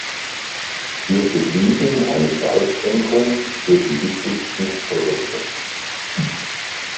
Wir begrüßen eine Preissenkung für die wichtigsten Produkte.